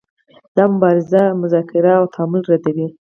دا مبارزه مذاکره او تعامل ردوي.